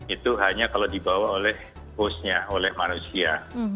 itu hanya kalau dibawa oleh hostnya oleh manusia